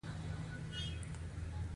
يو شی په سترګو ښه نه ښکاري.